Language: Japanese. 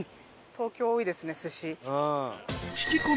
東京多いですね寿司。